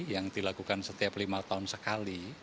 yang dilakukan setiap lima tahun sekali